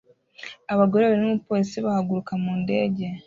Abagore babiri n'umupolisi bahaguruka mu ndege